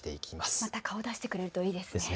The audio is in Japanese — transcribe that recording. また顔を出してくれるといいですね。